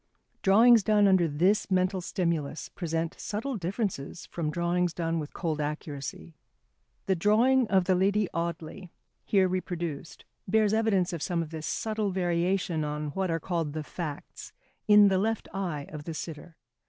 Drawings done under this mental stimulus present subtle differences from drawings done with cold accuracy. The drawing of the Lady Audley, here reproduced, bears evidence of some of this subtle variation on what are called the facts, in the left eye of the sitter.